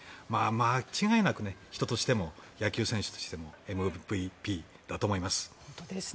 間違いなく人としても野球選手としてもＭＶＰだと思います。